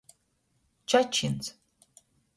Čačyns.